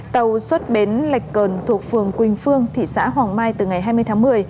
tàu xuất bến lạch cơn thuộc phường quỳnh phương thị xã hoàng mai từ ngày hai mươi tháng một mươi